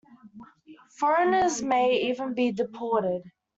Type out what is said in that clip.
Foreigners may even be deported.